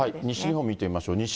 西日本見てみましょう。